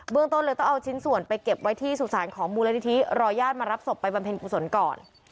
เบื้องต้นเลยต้องเอาชิ้นสวนไปเก็บไว้ที่สุสานของบูรณิฐีรอยญาติมารับสมไปบัมเทนกุศลก่อน